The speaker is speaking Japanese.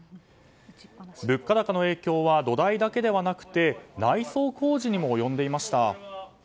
物価高の影響は土台だけではなくて内装工事にも及んでいました。